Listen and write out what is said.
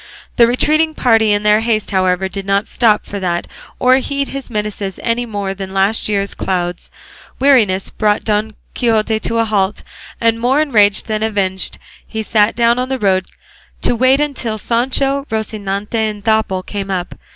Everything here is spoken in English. '" The retreating party in their haste, however, did not stop for that, or heed his menaces any more than last year's clouds. Weariness brought Don Quixote to a halt, and more enraged than avenged he sat down on the road to wait until Sancho, Rocinante and Dapple came up.